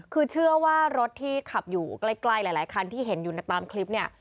คือเชื่อว่ารถที่ขับอยู่ใกล้หลายคันที่เห็นอยู่ตามคลิปเนี่ย